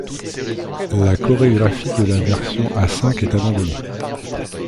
La chorégraphie de la version à cinq est abandonnée.